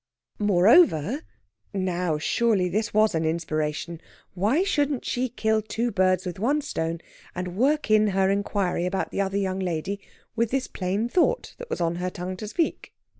Moreover now, surely this was an inspiration why shouldn't she kill two birds with one stone, and work in her inquiry about the other young lady with this plain thought that was on her tongue to speak?